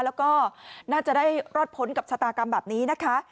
แล้วก็น่าจะได้รอดพ้นกับชะตากรรมแบบนี้นะคะ